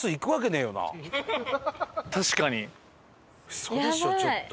ウソでしょちょっと。